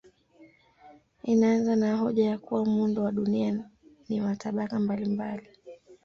Inaanza na hoja ya kuwa muundo wa dunia ni wa tabaka mbalimbali.